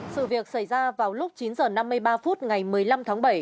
sự việc xảy ra vào lúc chín h năm mươi ba phút ngày một mươi năm tháng bảy